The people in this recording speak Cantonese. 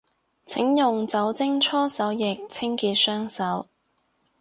請用酒精搓手液清潔雙手